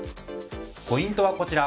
ポイントはこちら。